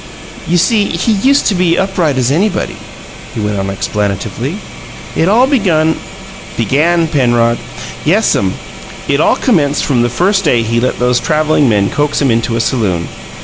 "You see, he used to be upright as anybody," he went on explanatively. "It all begun " "Began, Penrod." "Yes'm. It all commenced from the first day he let those travelling men coax him into the saloon."